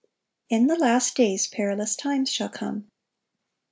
"In the last days perilous times shall come.